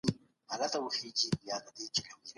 آيا د ډيموکراسۍ په راتګ سره انحصار مات سو؟